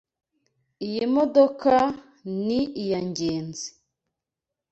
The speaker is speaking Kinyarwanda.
Iyi modoka ni iya Ngenzi.